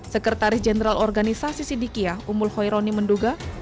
sekretaris jenderal organisasi sidikiyah umul khoironi menduga